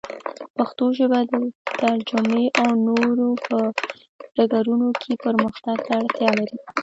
پښتو ژبه د ترجمې او نورو په ډګرونو کې پرمختګ ته اړتیا لري.